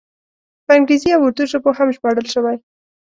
په انګریزي او اردو ژبو هم ژباړل شوی.